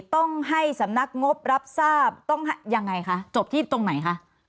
ต้องให้สำนักงบรับทราบต้องยังไงคะจบที่ตรงไหนคะ